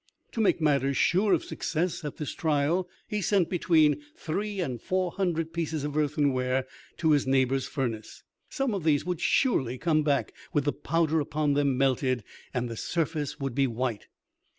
To make matters sure of success at this trial, he sent between three and four hundred pieces of earthenware to his neighbor's furnace. Some of these would surely come back with the powder upon them melted, and the surface would be white.